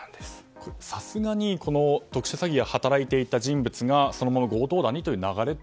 これ、さすがに特殊詐欺を働いていた人物がそのまま強盗団にという流れ。